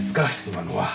今のは。